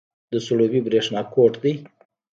د سروبي بریښنا کوټ دی